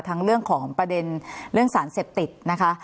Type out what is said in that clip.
เรื่องของประเด็นเรื่องสารเสพติดนะคะ